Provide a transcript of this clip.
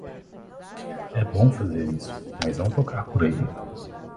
É bom fazer isso, mas não tocar por aí.